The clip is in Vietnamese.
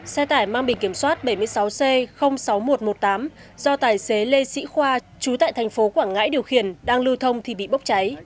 xe tải mang biển kiểm soát bảy mươi sáu c sáu nghìn một trăm một mươi tám do tài xế lê sĩ khoa chú tại thành phố quảng ngãi điều khiển đang lưu thông thì bị bốc cháy